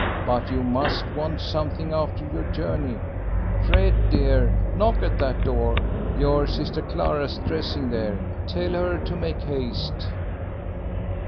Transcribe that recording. But you must want something after your journey. Fred, dear, knock at that door. Your sister Clara's dressing there. Tell her to make haste."